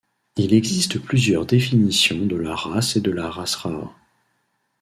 Il existe plusieurs définitions de la race et de la race rare.